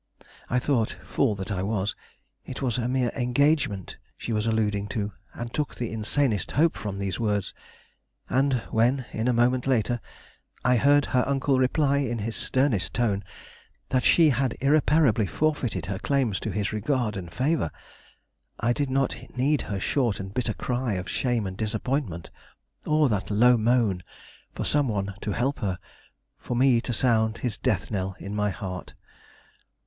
I thought, fool that I was, it was a mere engagement she was alluding to, and took the insanest hope from these words; and when, in a moment later I heard her uncle reply, in his sternest tone, that she had irreparably forfeited her claims to his regard and favor, I did not need her short and bitter cry of shame and disappointment, or that low moan for some one to help her, for me to sound his death knell in my heart.